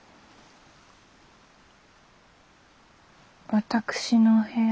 私のお部屋